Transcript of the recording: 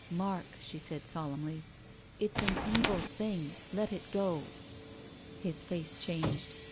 " Mark," she said solemnly. " It's an evil thing. Let it go." His face changed.